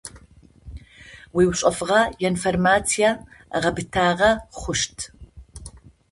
Уиушъэфыгъэ информацие гъэпытагъэ хъущт.